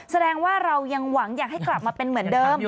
แสดงว่าเรายังหวังอยากให้กลับมาเป็นเหมือนเดิม